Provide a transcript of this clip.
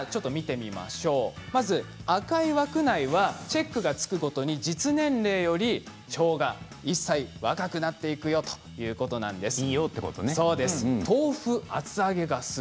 まず、赤い枠内はチェックがつくごとに実年齢より腸が１歳若くなっていくよということなんです。